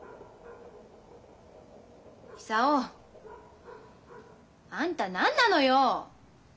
久男あんた何なのよ？